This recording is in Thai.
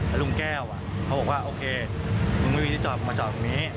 ลุงแก้วเขาบอกว่าโอเคมึงไม่มีที่จอดมาจอดตรงนี้